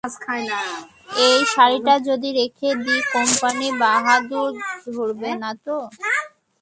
এই শাড়িটা যদি রেখে দিই কোম্পানি বাহাদুর ধরবে না তো?